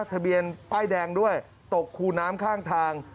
ทะเบียนป้ายแดงด้วยตกคูน้ำข้างทาง